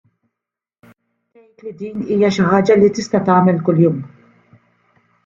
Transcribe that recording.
Tgħid li din hi xi ħaġa li tista' tagħmel kuljum.